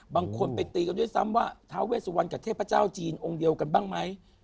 บางคนไปตีกันด้วยซ้ำว่าท้าเวสุวรรณกับเทพเจ้าจีนองค์เดียวกันบ้างไหม